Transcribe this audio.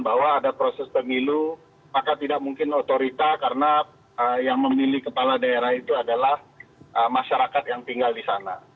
bahwa ada proses pemilu maka tidak mungkin otorita karena yang memilih kepala daerah itu adalah masyarakat yang tinggal di sana